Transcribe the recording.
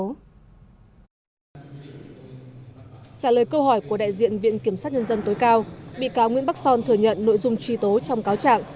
trả lời câu hỏi của đại diện viện kiểm sát nhân dân tối cao bị cáo nguyễn bắc son thừa nhận nội dung truy tố trong cáo trạng